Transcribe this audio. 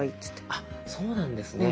あそうなんですね。